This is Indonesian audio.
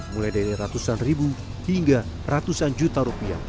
mulai dari ratusan ribu hingga ratusan juta rupiah